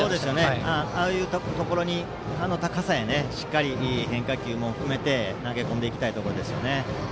ああいうところにあの高さへしっかり変化球も含めて投げ込んでいきたいですね。